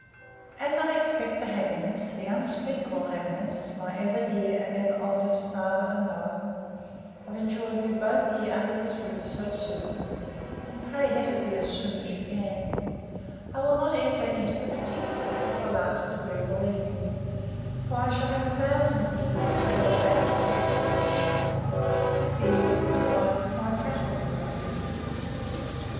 As I expect the happiness, the unspeakable happiness, my ever dear and ever honoured father and mother, of enjoying you both here, under this roof, so soon, (and pray let it be as soon as you can,) I will not enter into the particulars of the last agreeable evening: For I shall have a thousand things, as well as that, to talk to you upon. I fear you will be tired with my prattle when I see you!